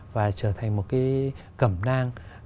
và trở thành một cái cẩm nang